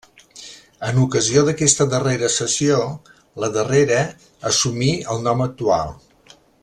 En ocasió d'aquesta darrera cessió la darrera assumí el nom actual.